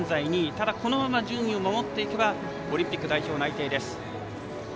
ただこのままの順位を守っていけばオリンピック代表になります。